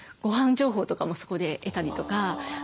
情報とかもそこで得たりとか。